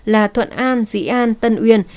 là thuận an dĩ an tân uyên